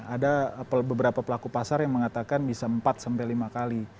ada beberapa pelaku pasar yang mengatakan bisa empat sampai lima kali